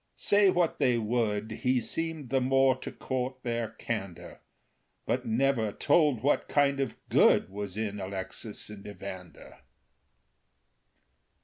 Say what they would, He seemed the more to court their candor; But never told what kind of good Was in Alexis and Evander.